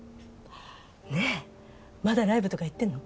ねえまだライブとか行ってんの？